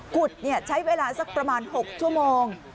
ขุดเนี่ยใช้เวลาประมาณ๖ชั่วโมง